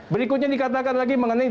berikutnya dikatakan lagi mengenai